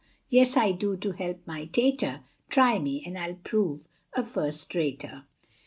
Yes, I do, so help my tater, Try me, and I'll prove a first rater.